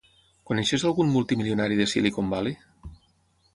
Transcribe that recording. Coneixes algun multimilionari de Silicon Valley?